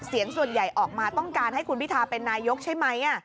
เสียงส่วนใหญ่ออกมาต้องการให้คุณพิทาเป็นนายกใช่ไหม